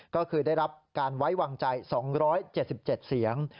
ก็คือได้รับการไว้วางใจ๒๗๗เสียง